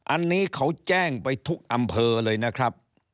อันนี้เขาแจ้งไปทุกอำเภอเลยนะครับ